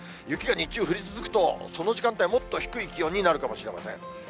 雪が日中降り続くとその時間帯、もっと低い気温になるかもしれません。